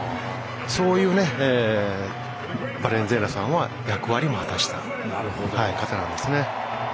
そういうバレンズエラさんは役割も果たした方なんですね。